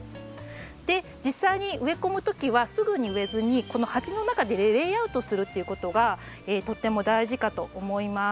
実際に植え込む時はすぐに植えずにこの鉢の中でレイアウトするっていうことがとっても大事かと思います。